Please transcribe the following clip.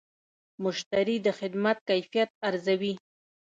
مشتری د خدمت کیفیت ارزوي.